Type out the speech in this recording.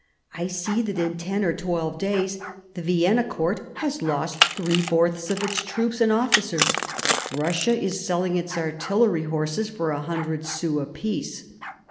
"I see that in ten or twelve days the Vienna 1757 60 THE SEVEN YEARS' WAR 143 court has lost three fourths of its troops and officers, Russia is selling its artillery horses for a hundred sous apiece.